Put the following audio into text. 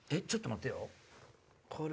ちょっと待ってよ。